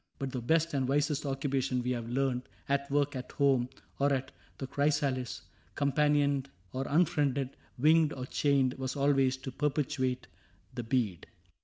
But the best And wisest occupation, we had learned, — At work, at home, or at " The Chrysalis," Companioned or unfriended, winged or chained, — Was always to perpetuate the bead.